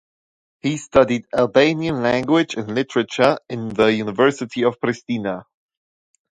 He studied Albanian language and literature in the University of Pristina.